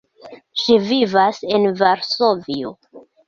Ŝi vivas en Varsovio.